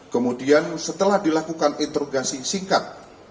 kemudian setelah dilakukan interogasi singkat